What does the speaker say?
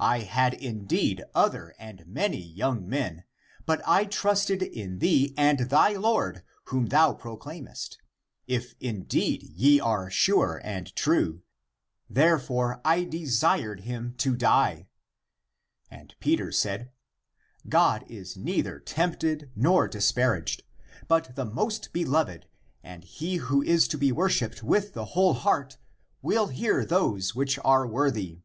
I had indeed other and many young men; but I trusted in thee and thy Lord whom thou proclaim est, if indeed ye are sure and true: therefore I de sired him to die." And Peter said, " God is neither tempted nor disparaged. But the Most Beloved (and) he who is to be worshipped with the whole heart, will hear those which are worthy.